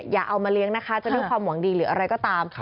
อย่าเอามาเลี้ยงนะคะจะด้วยความหวังดีหรืออะไรก็ตาม